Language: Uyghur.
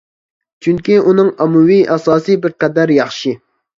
چۈنكى ئۇنىڭ ئاممىۋى ئاساسى بىرقەدەر ياخشى.